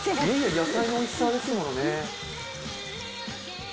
野菜のおいしさですものね。